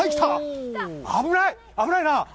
危ないな！